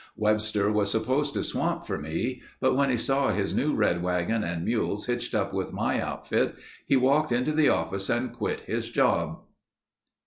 Webster was supposed to swamp for me. But when he saw his new red wagon and mules hitched up with my outfit, he walked into the office and quit his job."